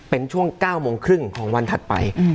เป็นช่วง๙โมงครึ่งของวันถัดไป